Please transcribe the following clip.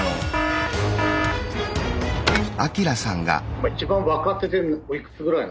「今一番若手でおいくつぐらい？」。